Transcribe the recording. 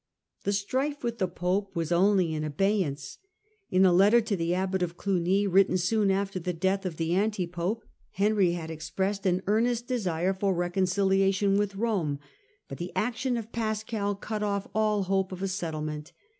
The strife with the pope was only in abeyance. In ft letter to the abbot of Olugny, written soon after the death of the anti pope, Henry had expressed an earnest desire for reconciliation with Rome ; but the action of Pascal cut off all hope of a settlement.